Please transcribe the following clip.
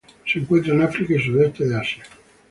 Se encuentra en África y sudeste de Asia.